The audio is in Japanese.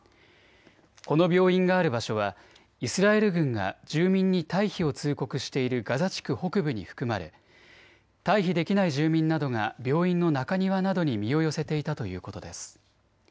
この病院がある場所はイスラエル軍が住民に退避を通告しているガザ地区北部に含まれ退避できない住民などが病院の中庭などに身を寄せていたということです。